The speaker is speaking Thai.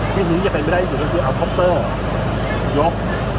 สิ่งที่จะเป็นไปได้ที่สุดก็คือเอาคอปเตอร์ยก